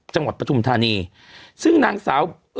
จังหวัดประชุมธรณีซึ่งนางสาวเอ่อ